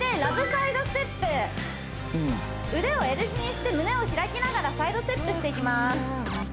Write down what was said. サイドステップ腕をＬ字にして胸を開きながらサイドステップしていきます